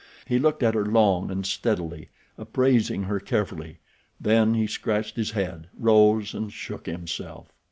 He looked at her long and steadily, appraising her carefully, then he scratched his head, rose and shook himself.